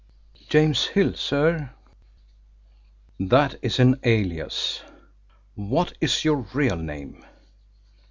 "James Hill, sir." "That is an alias. What is your real name?"